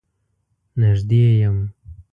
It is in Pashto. نږدې يم.